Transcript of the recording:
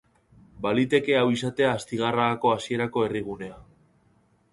Baliteke hau izatea Astigarragako hasierako herrigunea.